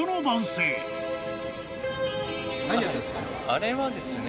あれはですね。